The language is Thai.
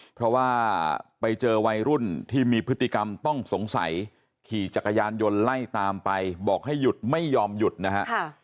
เพราะว่าไปเจอวัยรุ่นที่มีพฤติกรรมต้องสงสัยขี่จักรยานยนต์ไล่ตามไปบอกให้หยุดไม่ยอมหยุดนะฮะ